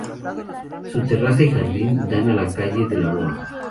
Su terraza y jardín dan a la calle de la Bola.